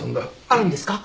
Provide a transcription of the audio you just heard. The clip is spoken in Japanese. あるんですか？